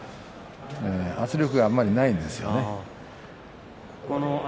圧力があんまりないんですよね。